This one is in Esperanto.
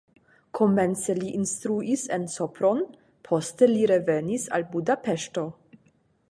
Komence li instruis en Sopron, poste li revenis al Budapeŝto.